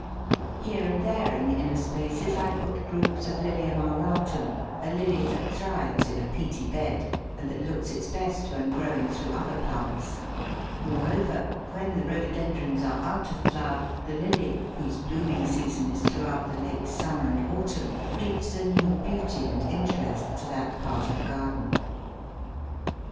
Here and there in the inner spaces I put groups of Lilium auratum, a Lily that thrives in a peaty bed, and that looks its best when growing through other plants; moreover, when the Rhododendrons are out of flower, the Lily, whose blooming season is throughout the late summer and autumn, gives a new beauty and interest to that part of the garden.